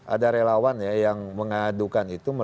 ada relawan ya yang mengadukan itu